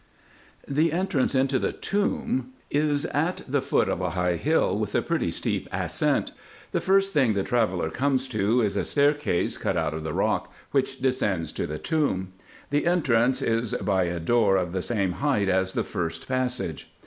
The entrance into the tomb is at the foot of a high hill, with a pretty steep ascent. The first thing the traveller comes to is a staircase cut out of the rock, which descends to the tomb. The 238 RESEARCHES AND OPERATIONS entrance is by a door of the same height as the first passage.